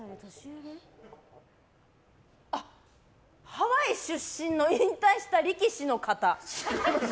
ハワイ出身の引退した力士の方？